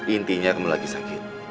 intinya kamu lagi sakit